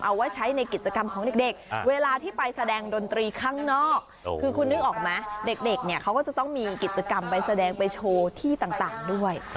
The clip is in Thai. เอาไว้ใช้ในกิจกรรมของเด็กเวลาที่ไปแสดงดนตรีข้างนอกคือคุณนึกออกไหมเด็กเนี่ยเขาก็จะต้องมีกิจกรรมไปแสดงไปโชว์ที่ต่างด้วย